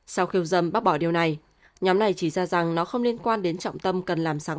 sau khiêu dâm bác bỏ điều này nhóm này chỉ ra rằng nó không liên quan đến trọng tâm cần làm sáng